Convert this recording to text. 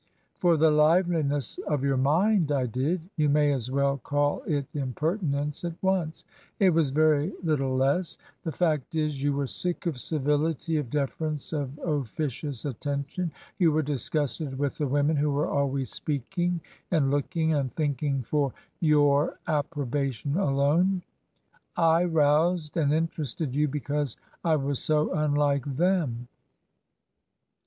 'For the liveliness of your mind, I did/ 'You may as well call it impertinence at once. It was very UtUe less. The fact is, you were sick of civility, of deference, of officious attention. You were disgusted with the women who were always speaking, and looking, and thinking for your approbation alone. I roused and interested you because I was so unhke them.